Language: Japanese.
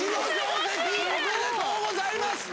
おめでとうございます！